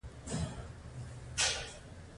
د دوی عمر کم شو او ژوند یې له لاسه ورکړ.